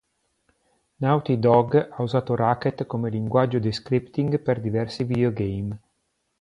Naughty Dog ha usato Racket come linguaggio di scripting per diversi videogame.